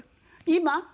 今？